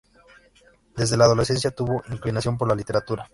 Desde la adolescencia tuvo inclinación por la literatura.